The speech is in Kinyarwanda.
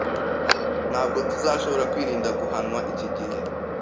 Ntabwo tuzashobora kwirinda guhanwa iki gihe